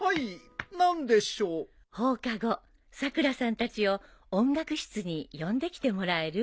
放課後さくらさんたちを音楽室に呼んできてもらえる？